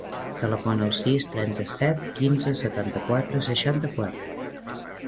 Telefona al sis, trenta-set, quinze, setanta-quatre, seixanta-quatre.